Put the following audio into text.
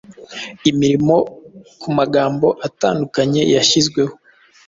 imirimo kumagambo atandukanye yashyizweho